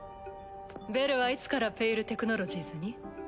ベルはいつから「ペイル・テクノロジーズ」に？